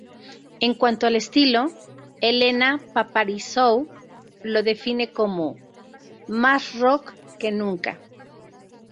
En cuanto al estilo, Elena Paparizou lo define como: Más rock que nunca.